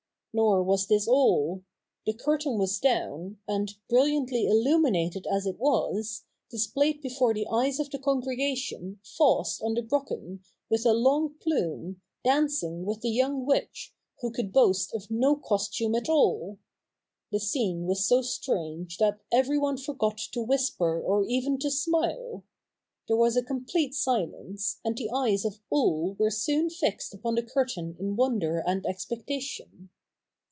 Nor was this all. The curtain was down, and, brilliantly illuminated as it was, displayed before the eyes of the congregation Faust on the Brocken, with a long plume, dancing with the young witch, who could boast of no costume at all. The scene was so strange that everyone forgot to whisper or even to smile. There was a complete silence, and the eyes of all were soon fixed upon the curtain in wonder and expectation.